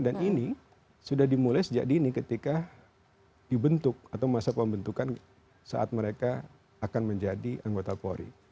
dan ini sudah dimulai sejak dini ketika dibentuk atau masa pembentukan saat mereka akan menjadi anggota polri